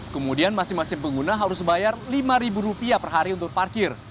kemudian masing masing pengguna harus bayar rp lima per hari untuk parkir